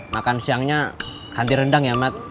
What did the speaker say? makan siangnya ganti rendang ya mas